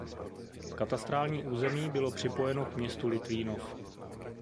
Katastrální území bylo připojeno k městu Litvínov.